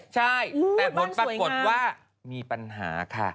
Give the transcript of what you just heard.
ใช่แต่ผลปรากฏว่ามีปัญหาค่ะ